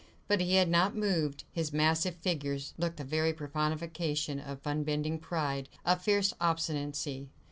But he had not moved; his massive figure looked the very personification of unbending pride, of fierce obstinacy.